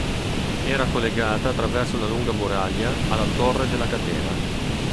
Era collegata attraverso una lunga muraglia alla Torre della Catena.